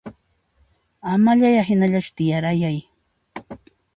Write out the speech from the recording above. Amaya hinallachu tiyarayay